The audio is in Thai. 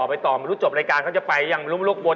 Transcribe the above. ไม่รู้จบรายการเขาจะไปยังไม่รู้มันลูกบท